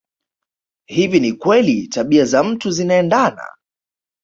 Hivi ni kweli tabia za mtu zinaendana